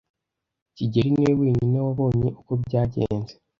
kigeli niwe wenyine wabonye uko byagenze.